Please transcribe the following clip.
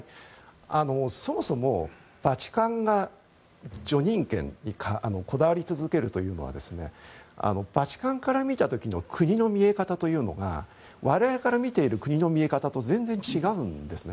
そもそもバチカンが叙任権にこだわり続けるというのはバチカンから見た時の国の見え方というのが我々から見ている国の見え方と全然違うんですね。